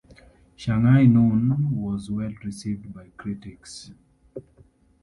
"Shanghai Noon" was well received by critics.